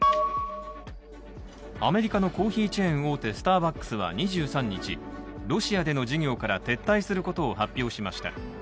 アメリカのコーヒーチェーン大手スターバックスは２３日、ロシアでの事業から撤退することを発表しました。